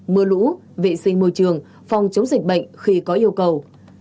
mưa lũ vệ sinh môi trường phòng chống dịch bệnh khi có yêu cầu